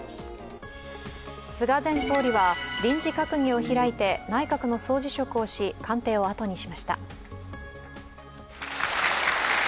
菅前総理は臨時閣議を開いて内閣の総辞職をし、官邸をあとにしました。